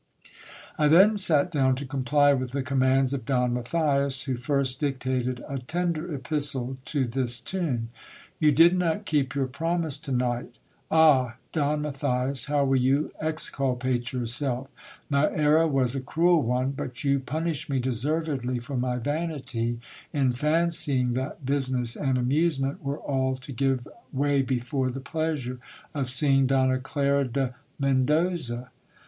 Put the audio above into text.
I then sat down to comply with the commands of Don Matthias, who first dictated a tender epistle to this tune — You did not keep your promise to night. Ah! Don Matthias, haw will you exculpate yourself ? My error was a cruel one I But you punish me deservedly for my vanity, in fancying that business and amusement were all to give way before the pleasure of seeing Donna Clara de Metidosa